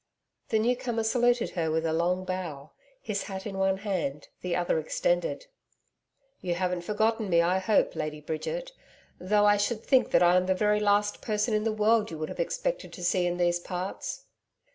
The new comer saluted her with a low bow, his hat in one hand, the other extended. 'You haven't forgotten me, I hope, Lady Bridget, though I should think that I am the very last person in the world you would have expected to see in these parts.'